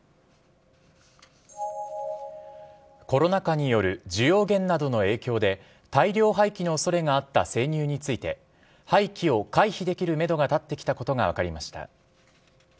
コロナ禍による需要減などの影響で、大量廃棄のおそれがあった生乳について、廃棄を回避できるメドが立ってきたことが分かりました。